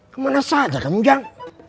kemana saja kamu ujang